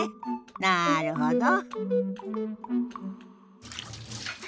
なるほど。